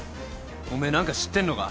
おめえ何か知ってんのか？